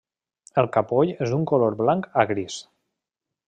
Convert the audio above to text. El capoll és d'un color blanc a gris.